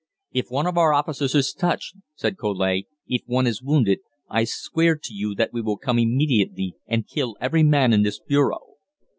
"If one of our officers is touched," said Collet, "if one is wounded, I swear to you that we will come immediately and kill every man in this bureau."